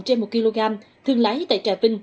trên một kg thương lái tại trà vinh